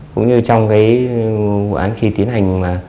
cũng như trong cái vụ án khi tiến hành